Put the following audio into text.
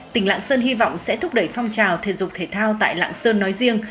tỉnh lạng sơn hy vọng sẽ thúc đẩy phong trào thể dục thể thao tại lạng sơn nói riêng